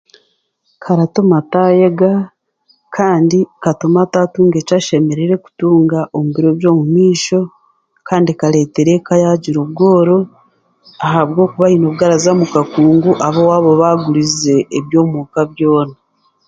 Karatuma ataayega, kandi katume ataatunga eki ashemereire kutunga omu biro by'omu maisho kandi nikareetera eeka yaagira obworo ahabwokuba aine obu araza mu kakungu ab'owaabo baagurize eby'omuka byona